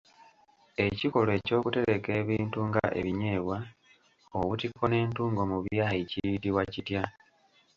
Ekikolwa ekyokutereka ebintu nga ebinyeebwa, obutiko n'entungo mu byayi kiyitibwa kitya?